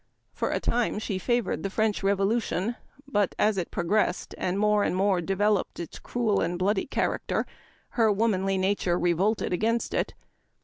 For a time she favored the French Revolution ; but as it progressed, and more and more developed its cruel and bloody character, her womanly nature revolted against it.